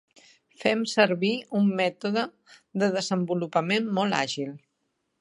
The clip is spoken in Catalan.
Fem servir un mètode de desenvolupament molt àgil.